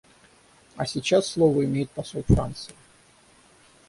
А сейчас слово имеет посол Франции.